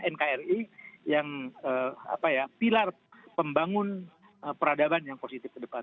nkri yang pilar pembangun peradaban yang positif ke depan